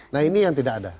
nah ini yang tidak ada